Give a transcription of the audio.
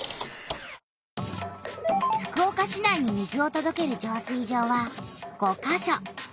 福岡市内に水をとどける浄水場は５か所。